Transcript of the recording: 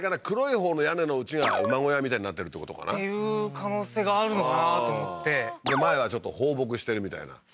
黒いほうの屋根のうちが馬小屋みたいになってるってことかな？っていう可能性があるのかなと思って前はちょっと放牧してるみたいな？